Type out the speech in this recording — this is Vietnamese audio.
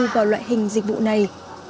và loại hình dịch vụ này